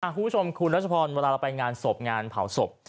คุณผู้ชมคุณรัชพรเวลาเราไปงานศพงานเผาศพ